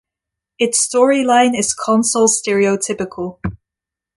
Its storyline is console stereotypical.